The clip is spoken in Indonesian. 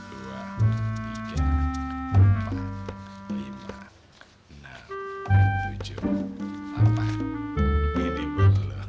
ini buat lo